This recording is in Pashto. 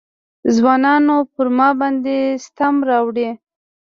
ځوانانو پر ما باندې ستم راوړی.